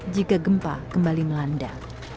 jika gempa kembali melanda